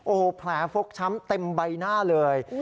โอ้โหแผลฟกช้ำเต็มใบหน้าเลย